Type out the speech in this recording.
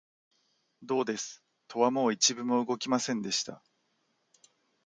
どうです、戸はもう一分も動きませんでした